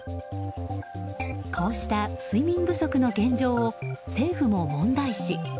こうした睡眠不足の現状を政府も問題視。